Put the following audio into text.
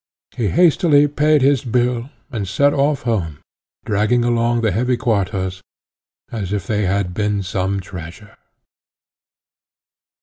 He hastily paid his bill, and set off home, dragging along the heavy quartos, as if they had been some treasure.